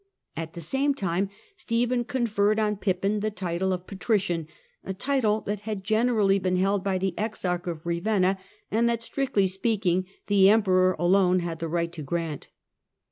At the same time Stephen conferred on Pippin the title of Patrician — a title that had generally been held by the Exarch of Ravenna, and that, strictly speaking, the Emperor alone had the right to grant.